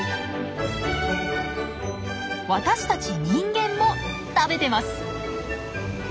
私たち人間も食べてます！